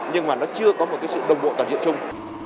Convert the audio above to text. nhưng mà nó chưa có một sự đồng bộ toàn diện chung